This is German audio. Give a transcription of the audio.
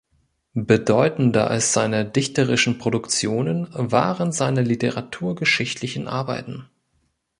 Bedeutender als seine dichterischen Produktionen waren seine literaturgeschichtlichen Arbeiten.